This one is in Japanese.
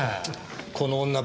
この女